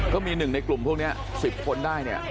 ก็มีหนึ่งในกลุ่มพวกนี้๑๐คนได้เนี่ย